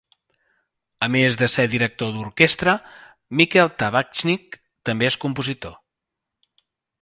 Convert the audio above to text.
A més de ser director d'orquestra, Michel Tabachnik també és compositor.